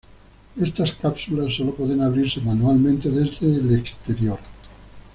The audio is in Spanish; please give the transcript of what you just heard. Estas cápsulas solo pueden abrirse manualmente desde el exterior.